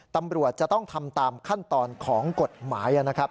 ตำรวจจะต้องทำตามขั้นตอนของกฎหมายนะครับ